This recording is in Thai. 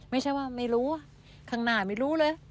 ไม่ใช่ว่าไม่รู้ข้างหน้าไม่รู้เลย